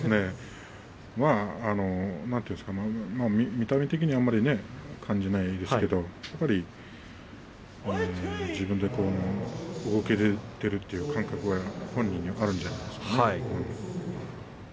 見た目的にはあまり感じないんですけれど自分で動けているという感覚が本人にはあるんじゃないですか。